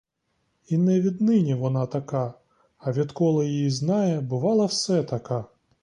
І не віднині вона така, а відколи її знає, бувала все така.